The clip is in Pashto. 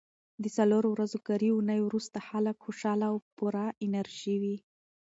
د څلورو ورځو کاري اونۍ وروسته خلک خوشاله او پوره انرژي لري.